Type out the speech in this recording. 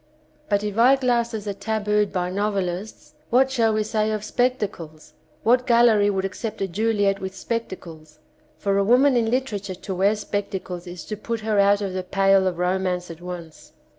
But if eyeglasses are tabooed by nov elists, what shall we say of spectacles ? What gallery would accept a Juhet with spectacles ? For a woman in literature to wear spectacles is to put her out of the pale of romance at once.